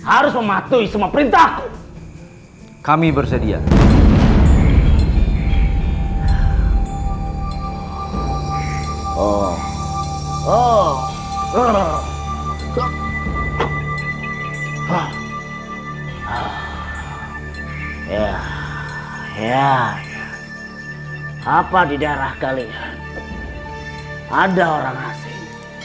apa di daerah kalian ada orang asing